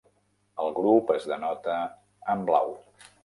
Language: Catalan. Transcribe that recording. El grup es denota en blau.